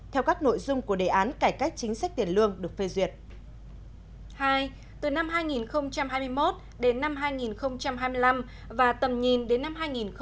hai từ năm hai nghìn hai mươi một đến năm hai nghìn hai mươi năm và tầm nhìn đến năm hai nghìn ba mươi